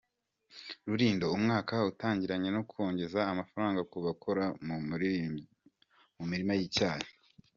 Rulindo Umwaka utangiranye no kongeza amafaranga ku bakora mu mirima y’icyayi